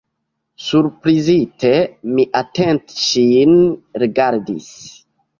Surprizite, mi atente ŝin rigardis.